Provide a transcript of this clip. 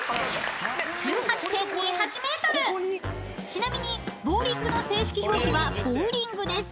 ［ちなみにボウリングの正式表記はボウリングです］